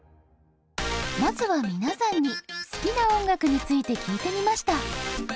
まずは皆さんに好きな音楽について聞いてみました。